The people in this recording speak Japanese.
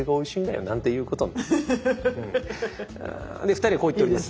２人はこう言っております。